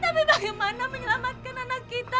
tapi bagaimana menyelamatkan anak kita